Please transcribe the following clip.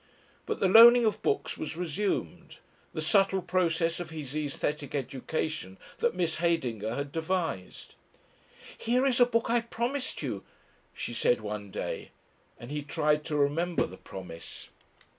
But the loaning of books was resumed, the subtle process of his aesthetic education that Miss Heydinger had devised. "Here is a book I promised you," she said one day, and he tried to remember the promise.